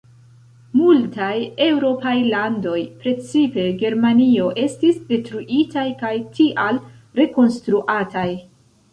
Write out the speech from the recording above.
Multaj eŭropaj landoj, precipe Germanio, estis detruitaj kaj tial rekonstruataj.